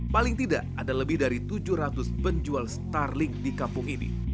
paling tidak ada lebih dari tujuh ratus penjual starling di kampung ini